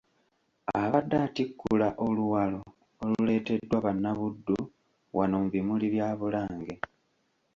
Abadde atikkula Oluwalo oluleeteddwa bannabuddu wano mu bimuli bya Bulange.